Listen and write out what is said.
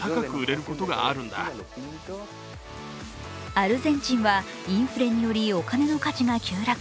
アルゼンチンはインフレによりお金の価値が急落。